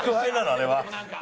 あれは。